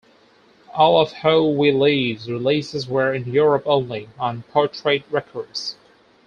All of How We Live's releases were in Europe only, on Portrait Records.